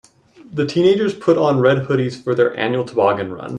The teenagers put on red hoodies for their annual toboggan run.